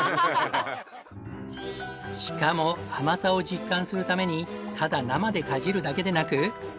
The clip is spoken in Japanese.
しかも甘さを実感するためにただ生でかじるだけでなく。